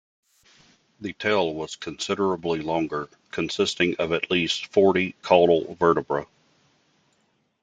The tail was considerably longer, consisting of at least forty caudal vertebrae.